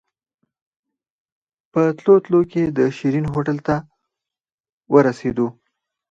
په تلو تلو کې د شيرين هوټل ته ورسېدو.